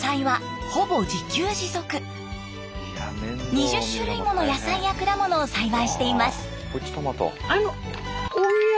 ２０種類もの野菜や果物を栽培しています。